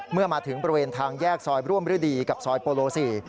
เมื่อมาถึงบริเวณทางแยกซอยร่วมฤดีกับซอยโปโล๔